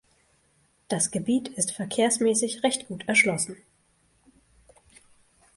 Das Gebiet ist verkehrsmässig recht gut erschlossen.